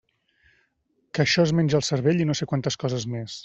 Que això es menja el cervell i no sé quantes coses més.